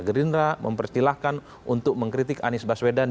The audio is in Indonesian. green raya mempersilahkan untuk mengkritik anies baswedan